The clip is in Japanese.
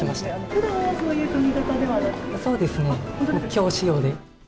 ふだんはそういう髪形ではなそうですね、きょう仕様で。